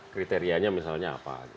kriterianya misalnya apa